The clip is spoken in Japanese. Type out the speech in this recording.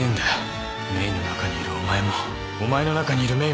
メイの中にいるお前もお前の中にいるメイも。